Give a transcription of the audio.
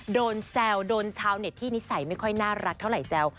แซวโดนชาวเน็ตที่นิสัยไม่ค่อยน่ารักเท่าไหร่แซว